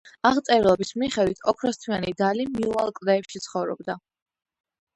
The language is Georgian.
აღწერილობის მიხედვით, ოქროსთმიანი დალი მიუვალ კლდეებში ცხოვრობდა.